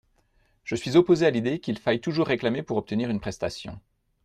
Je suis opposé à l’idée qu’il faille toujours réclamer pour obtenir une prestation.